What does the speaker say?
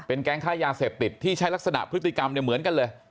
แก๊งค่ายาเสพติดที่ใช้ลักษณะพฤติกรรมเหมือนกันเลย